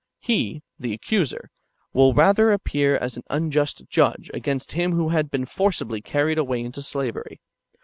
He (the accuser) will rather appear as an unjust judge against him who had been forcibly carried away into slavery.